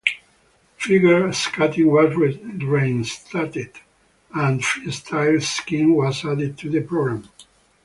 Figure skating was reinstated and Freestyle skiing was added to the program.